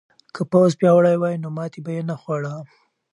که پوځ پیاوړی وای نو ماتې به یې نه خوړه.